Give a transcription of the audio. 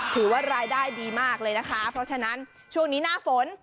ถือว่ารายได้ดีมากเลยนะคะเพราะฉะนั้นช่วงนี้หน้าฝน